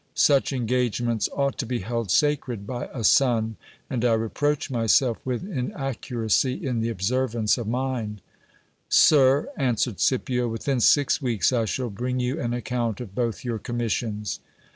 Such engagements ought to be held sacred by a son ; and I re proach myself with inaccuracy in the observance of mine. Sir, answered Scipio, within six weeks I shall bring you an account of both your commissions ; hav COUNT OLIVAREZ REFORMS THE STATE.